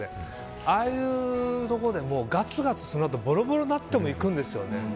ああいうところでガツガツぼろぼろになってもいくんですよね。